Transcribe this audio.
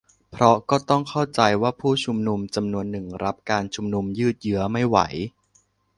เพราะก็ต้องเข้าใจว่าผู้ชุมนุมจำนวนหนึ่งรับกับการชุมนุมยืดเยื้อไม่ไหว